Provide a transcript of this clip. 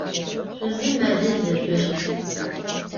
Şüzım melıl ızjoşt.